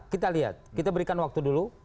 kita lihat kita berikan waktu dulu